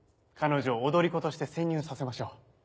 彼女を踊り子として潜入させましょう。